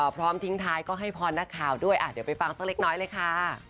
พร้อมทิ้งท้ายก็ให้พรนักข่าวด้วยเดี๋ยวไปฟังสักเล็กน้อยเลยค่ะ